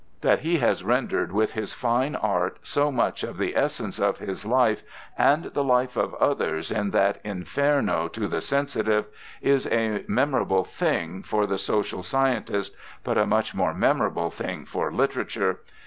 That he has rendered with his fine art so much of the essence of his life and the life of others in that inferno to the sensitive, is a memorable thing for the social scientist, but a much more memorable thing for literature.